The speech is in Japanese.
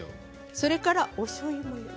それから、おしょうゆも入れます。